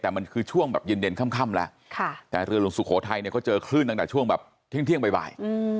แต่มันคือช่วงแบบเย็นค่ำแล้วแต่เรือหลวงสุโขทัยเนี่ยก็เจอคลื่นตั้งแต่ช่วงแบบเที่ยงบ่าย